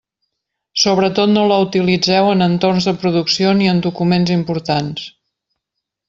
Sobretot no la utilitzeu en entorns de producció ni en documents importants.